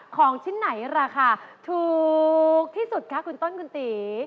ของชิ้นไหนราคาถูกที่สุดคะคุณต้นคุณตี